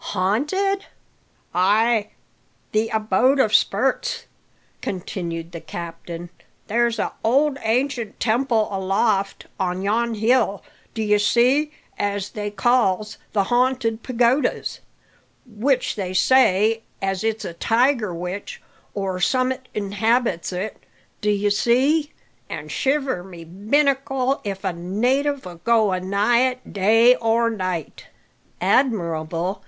"Haunted?" "Ay, the abode o' spurts," continued the captain. "There's a old ancient temple aloft on yon hill, d'ye see, as they calls the 'Ha'nted Pagodas' which they say as it's a tiger witch or summat inhabits it, d'ye see an' shiver my binnacle if a native'll go a nigh it day or night!" "Admirable!